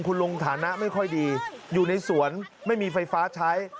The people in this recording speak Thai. คุณลุงฐานะไม่ค่อยดีอยู่ในสวนไม่มีไฟฟ้าใช้